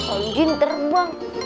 om jun terbang